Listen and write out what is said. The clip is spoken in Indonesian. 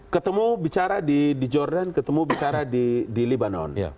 ketemu bicara di jordan ketemu bicara di libanon